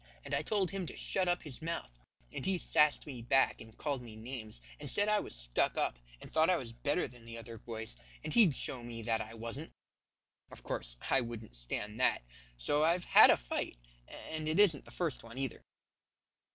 And I told him to shut up his mouth, and he sassed me back, and called me names, and said I was stuck up and thought I was better than the other boys, and he'd show me that I wasn't. Of course, I wouldn't stand that, so I've had a fight, and it isn't the first one either."